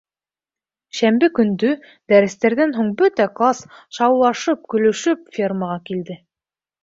Шәмбе көндө, дәрестәрҙән һуң бөтә класс шаулашып-көлөшөп, фермаға килде.